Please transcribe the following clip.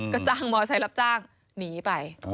ก็จ้างมอเซล์รับจ้างหนีไป